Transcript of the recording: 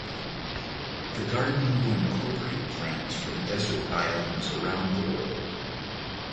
The garden will incorporate plants from desert biomes around the world.